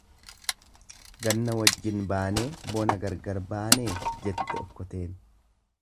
Ganna wajjin baanee bona gargar baanee jette okkoteen.